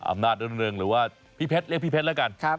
อำนาจรุ่งเรืองหรือว่าพี่เพชรเรียกพี่เพชรแล้วกัน